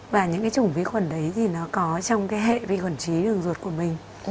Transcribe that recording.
và những cái chủng vi khuẩn đấy thì nó có trong cái hệ vi khuẩn trí đường ruột của mình